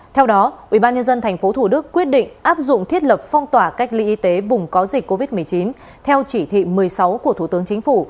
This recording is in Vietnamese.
theo đó ubnd tp thủ đức quyết định áp dụng thiết lập phong tỏa cách ly y tế vùng có dịch covid một mươi chín theo chỉ thị một mươi sáu của thủ tướng chính phủ